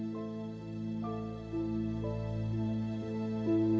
kita sudah trus